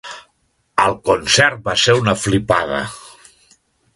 El concert va ser una flipada.